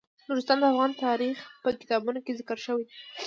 نورستان د افغان تاریخ په کتابونو کې ذکر شوی دي.